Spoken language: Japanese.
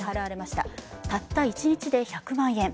たった一日で１００万円。